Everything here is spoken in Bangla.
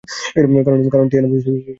কারণ টিয়ানা, সে আমার ইভ্যাঞ্জেলিন।